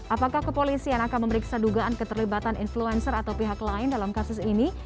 apakah kepolisian akan memeriksa dugaan keterlibatan influencer atau pihak lain dalam kasus ini